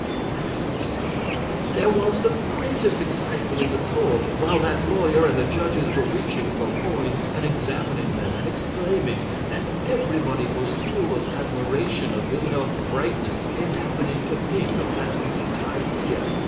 And it was so! There was the greatest excitement in the court while that lawyer and the judges were reaching for coins and examining them and exclaiming. And everybody was full of admiration of Wilhelm's brightness in happening to think of that neat idea.